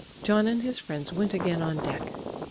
John and his friends went again on deck.